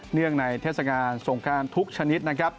เนื่องในเทศกาลสงการทุกชนิด